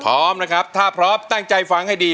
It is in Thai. พร้อมนะครับถ้าพร้อมตั้งใจฟังให้ดี